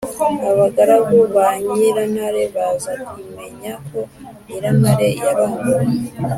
abagaragu ba nyirantare baza kumenya ko nyirantare yarongowe.